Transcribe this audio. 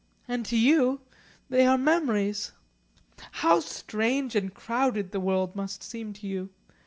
And to you they are memories. How strange and crowded the world must seem to you!